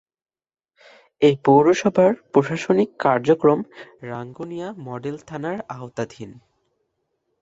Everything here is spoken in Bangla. এ পৌরসভার প্রশাসনিক কার্যক্রম রাঙ্গুনিয়া মডেল থানার আওতাধীন।